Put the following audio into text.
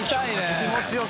気持ちよく。